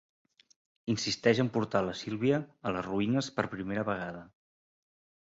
Insisteix en portar la Sylvia a les ruïnes per primera vegada.